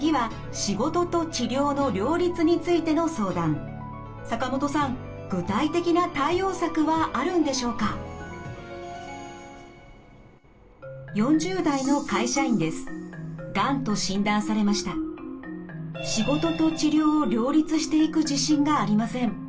仕事と治療を両立していく自信がありません。